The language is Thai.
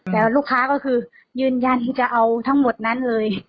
แต่ลูกค้าก็คือยืนยันที่จะเอาทั้งหมดนั้นเลย